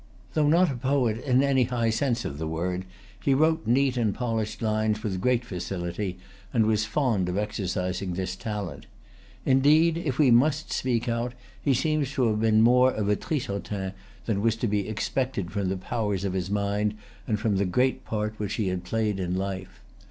Though not a poet, in any high sense of the word, he wrote neat and polished lines with great facility, and was fond of exercising this talent. Indeed, if we must speak out, he seems to have been more of a Trissotin than was to be expected from the powers of his mind and from the great part which he had played in life.